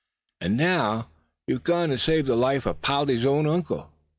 And now you've gone and saved the life of Polly's own uncle.